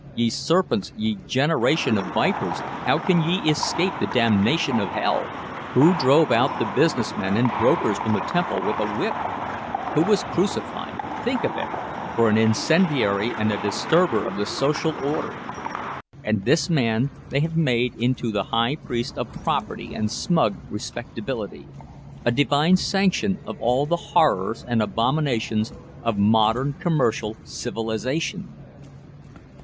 '—'Ye serpents, ye generation of vipers, how can ye escape the damnation of hell?' Who drove out the business men and brokers from the temple with a whip! Who was crucified—think of it—for an incendiary and a disturber of the social order! And this man they have made into the high priest of property and smug respectability, a divine sanction of all the horrors and abominations of modern commercial civilization!